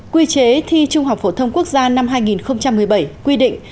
quy chế thi trung học phổ thông quốc gia năm hai nghìn một mươi bảy quy định